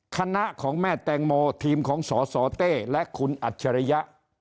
คณะของแม่แตงโมทีมของสสเต้และคุณอัจฉริยะ